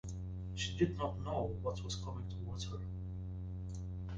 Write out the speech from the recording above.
She did not know what was coming towards her.